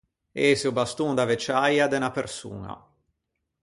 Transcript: Ëse o baston da vecciaia de unna persoña.